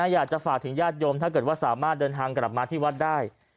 อยากจะฝากถึงญาติโยมถ้าเกิดว่าสามารถเดินทางกลับมาที่วัดได้